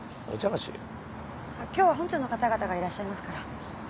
今日は本庁の方々がいらっしゃいますから。